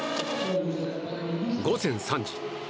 午前３時。